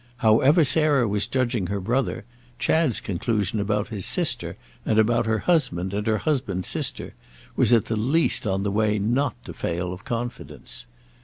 However Sarah was judging her brother, Chad's conclusion about his sister, and about her husband and her husband's sister, was at the least on the way not to fail of confidence.